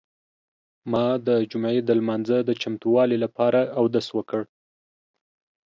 ما د جمعې د لمانځه د چمتووالي لپاره اودس وکړ.